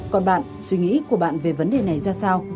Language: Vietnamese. còn bạn suy nghĩ của bạn về vấn đề này ra sao